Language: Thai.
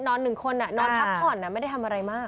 หนึ่งคนนอนพักผ่อนไม่ได้ทำอะไรมาก